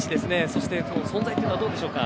そして、存在というのはどうでしょうか。